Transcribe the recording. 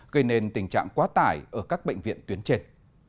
gây nên tình trạng quá tải ở các bệnh viện tuyến trên